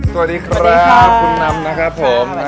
สวัสดีครับคุณนำนะครับผม